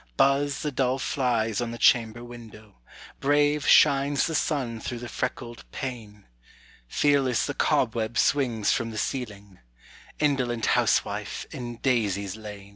Buzz the dull flies on the chamber window; Brave shines the sun through the freckled pane; Fearless the cobweb swings from the ceiling Indolent housewife, in daisies lain!